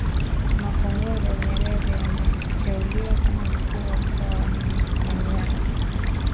Makongoro Nyerere ameteuliwa kama Mkuu wa mkoa wa Manyara